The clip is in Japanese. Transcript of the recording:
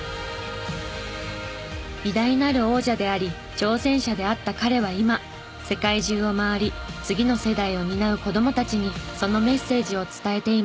偉大なる王者であり挑戦者であった彼は今世界中を回り次の世代を担う子供たちにそのメッセージを伝えています。